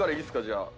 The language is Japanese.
じゃあ。